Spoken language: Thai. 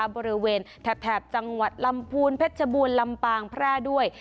บริเวณแถบจังหวัดลำพูนเพชรบูรลำปางแพร่ด้วย